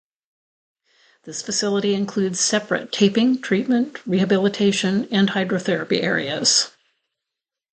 This facility includes separate taping, treatment, rehabilitation, and hydrotherapy areas.